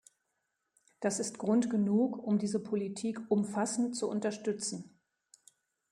Das ist Grund genug, um diese Politik umfassend zu unterstützen.